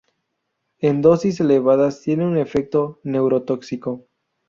En dosis elevadas tiene un efecto neurotóxico.